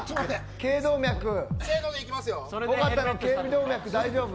尾形の頸動脈、大丈夫。